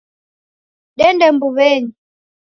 Dende mbuw'enyi.